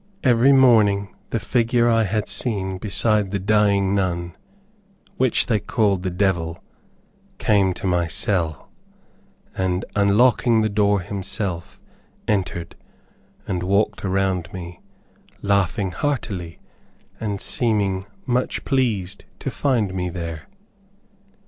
Every morning the figure I had seen beside the dying nun, which they called the devil, came to my cell, and unlocking the door himself, entered, and walked around me, laughing heartily, and seeming much pleased to find me there.